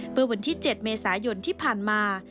เมื่อวันที่๗เมษายนที่ผ่านมา